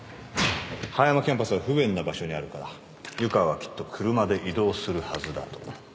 葉山キャンパスは不便な場所にあるから湯川はきっと車で移動するはずだと